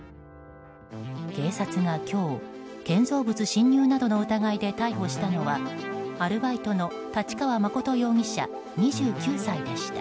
警察が今日、建造物侵入などの疑いで逮捕したのはアルバイトの太刀川誠容疑者２９歳でした。